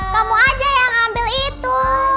kamu aja yang ambil itu